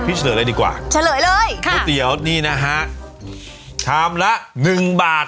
เฉลยเลยดีกว่าเฉลยเลยค่ะก๋วยเตี๋ยวนี่นะฮะชามละหนึ่งบาท